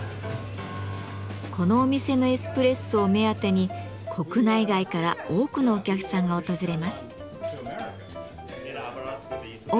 このお店のエスプレッソを目当てに国内外から多くのお客さんが訪れます。